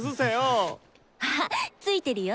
あっついてるよ。